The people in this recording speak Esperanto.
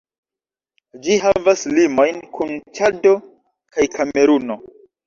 Ĝi havas limojn kun Ĉado kaj Kameruno.